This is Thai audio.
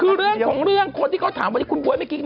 คือเรื่องของเรื่องคนที่เขาถามวันนี้คุณบ๊วยเมื่อกี้